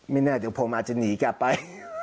ไม่แน่เดี๋ยวผมอาจจะหนีกลับไป